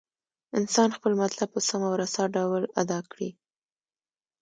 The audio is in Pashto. انسان خپل مطلب په سم او رسا ډول ادا کړي.